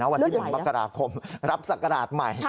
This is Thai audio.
วันที่หวังมกราบคมรับสักกระดาษใหม่